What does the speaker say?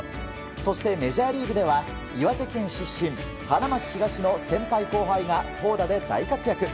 そしてメジャーリーグでは岩手県出身花巻東高校の先輩・後輩が投打で大活躍。